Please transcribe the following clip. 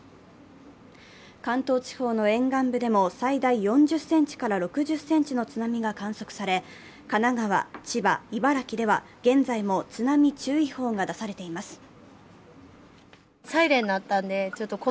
関東地方の沿岸部でも最大４０ｃｍから６０ｃｍの津波が観測され神奈川、千葉、茨城では現在も津波注意報が出されています。